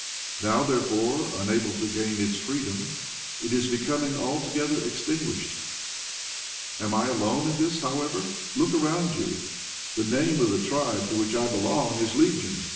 Now, therefore, unable to gain its freedom, it is becoming altogether extinguished. Am I 1 alone in this, however? Look around you. / The name of the tribe to which I belong 1 is legion."